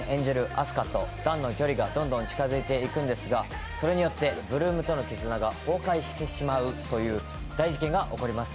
あす花と弾の距離がどんどん近づいていくんですがそれによって８ＬＯＯＭとの絆が崩壊してしまうという大事件が起こります。